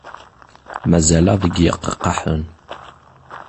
Mazal-aɣ deg yiqaqaḥen.